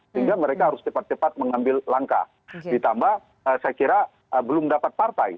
sehingga mereka harus cepat cepat mengambil langkah ditambah saya kira belum dapat partai